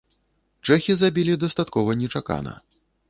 Чэхі забілі дастаткова нечакана.